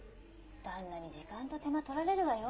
旦那に時間と手間とられるわよ。